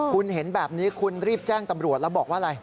คุณเห็นแบบนี้คุณรีบแจ้งตำรวจแล้วบอกว่าอะไร